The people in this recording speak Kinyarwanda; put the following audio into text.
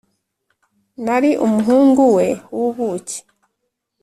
nari umuhungu we w'ubuki.